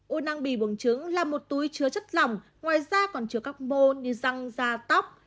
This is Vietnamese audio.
u năng bì bùng trứng là một túi chứa chất lỏng ngoài ra còn chứa các mô như răng da tóc